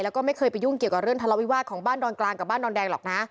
แล้วก็ไม่เคยไปยุ่งเกี่ยวกับเรื่องทะเลาวิวาสของบ้านดอนกลางกับบ้านดอนแดงหรอกนะ